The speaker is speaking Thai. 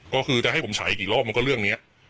ก็คือจะให้ผมฉายกี่รอบมันก็เรื่องนี้